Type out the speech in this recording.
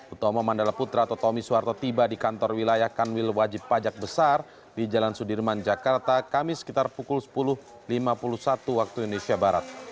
utomo mandala putra atau tommy suharto tiba di kantor wilayah kanwil wajib pajak besar di jalan sudirman jakarta kamis sekitar pukul sepuluh lima puluh satu waktu indonesia barat